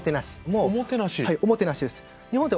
はいおもてなしです。